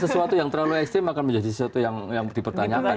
sesuatu yang terlalu ekstrim akan menjadi sesuatu yang dipertanyakan